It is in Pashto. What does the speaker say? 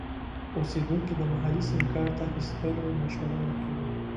اوسیدونکي د محلي سیم کارت اخیستلو مشوره ورکوي.